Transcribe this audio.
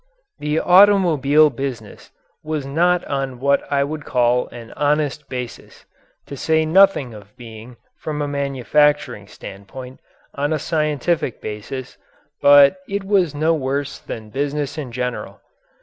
The automobile business was not on what I would call an honest basis, to say nothing of being, from a manufacturing standpoint, on a scientific basis, but it was no worse than business in general.